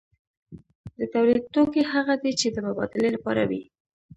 د تولید توکي هغه دي چې د مبادلې لپاره وي.